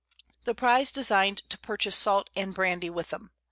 The Prize design'd to purchase Salt and Brandy with 'em.